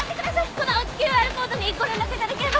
このＱＲコードにご連絡いただければ！